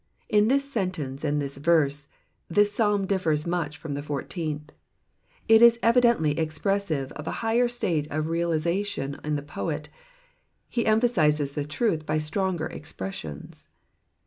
In this sentence and this verse, this Psalm differs much from the fourteenth. It is evidently expressive of a higher state of realisation in the poet, he emphasises the truth by stronger expressions.